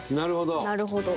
なるほど！